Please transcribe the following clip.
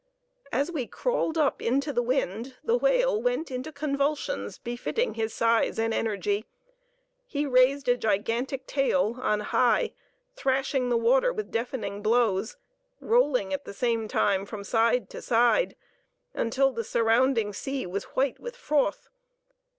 As we crawled up into the wind, the whale went into convulsions befitting his size and energy. He raised a gigantic tail on high, thrashing the water with deafening blows, rolling at the same time from side to side until the surrounding sea was white with froth.